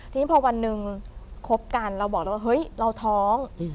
ทีนี้พอวันหนึ่งคบกันเราบอกแล้วว่าเฮ้ยเราท้อง